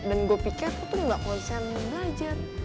dan gue pikir lo tuh gak konsen belajar